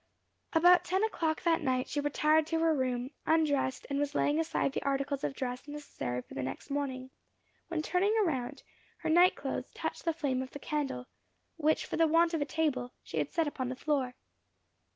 About ten o'clock that night she retired to her room, undressed, and was laying aside the articles of dress necessary for the next morning, when, turning around, her night clothes touched the flame of the candle, which, for the want of a table, she had set upon the floor.